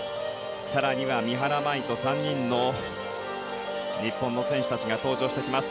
更には三原舞依と３人の日本選手たちが登場してきます。